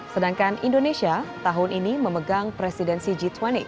sedangkan indonesia tahun ini memegang presidensi g dua puluh